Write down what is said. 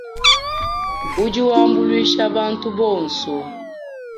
Udi wambuluisha bantu bonso.